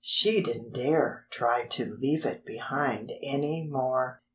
She didn't dare try to leave it behind any more!